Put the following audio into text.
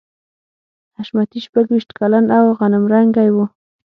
حشمتي شپږویشت کلن او غنم رنګی و